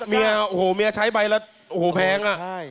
อุ้นี่เมียโอ้โหเมียใช้ไปแล้วโอ้โหแพงอ่ะ